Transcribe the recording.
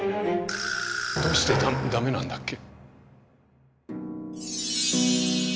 どうしてだめなんだっけ？